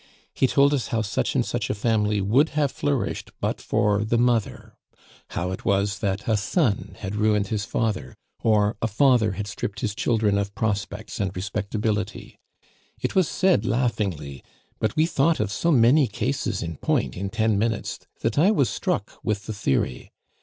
He told us how such and such a family would have flourished but for the mother; how it was that a son had ruined his father, or a father had stripped his children of prospects and respectability. It was said laughingly, but we thought of so many cases in point in ten minutes that I was struck with the theory.